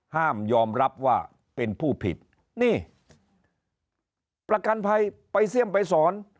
ห้ามยอมรับว่าเป็นผู้ผิดนี่ประกันภัยไปเสี่ยมไปสอน